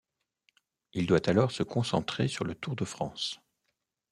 Il doit alors se concentrer sur le Tour de France.